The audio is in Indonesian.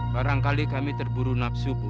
barangkali kami terburu nafsu